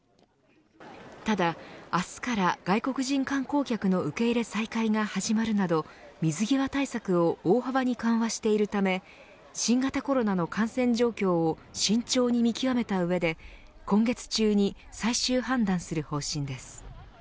ただ明日から外国人観光客の受け入れ再開が始まるなど、水際対策を大幅に緩和しているため新型コロナの感染状況を慎重に見極めた上で今月中に最終判断する方針です。